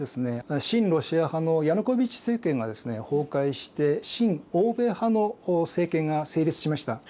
親ロシア派のヤヌコビッチ政権が崩壊して親欧米派の政権が成立しました。